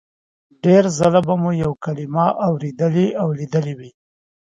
ډېر ځله به مو یوه کلمه اورېدلې او لیدلې وي